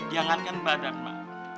jangankan badan mak